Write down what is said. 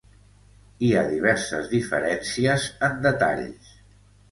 Hi ha diverses diferències en detalls.